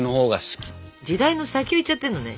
時代の先をいっちゃってるのね。